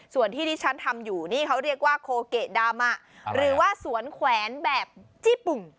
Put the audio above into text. ส่วนที่ที่ฉันทำอยู่นี่เขาเรียกว่าโคเกะดามะหรือว่าสวนแขวนแบบจี้ปุ่ม